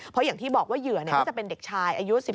เพราะอย่างที่บอกว่าเหยื่อก็จะเป็นเด็กชายอายุ๑๓